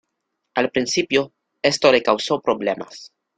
Al principio, esto le causó problemas.